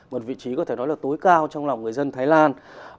một vị trí có thể nói là tối cao trong lòng người dân thái lan